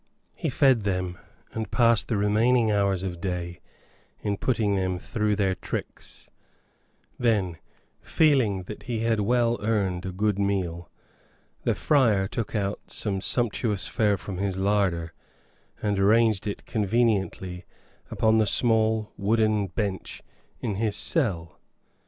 He fed them and passed the remaining hours of day in putting them through their tricks; then, feeling that he had well earned a good meal, the friar took out some sumptuous fare from his larder and arranged it conveniently upon the small wooden bench in his cell.